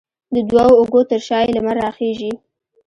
د دوو اوږو ترشا یې، لمر راخیژې